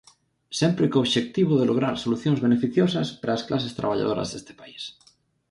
Sempre co obxectivo de lograr solucións beneficiosas para as clases traballadoras deste país.